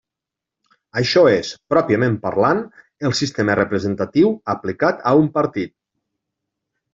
Això és, pròpiament parlant, el sistema representatiu aplicat a un partit.